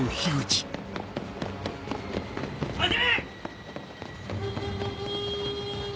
待て！